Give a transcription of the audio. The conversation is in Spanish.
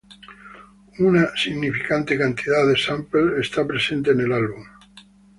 Una significante cantidad de samples está presentes en el álbum.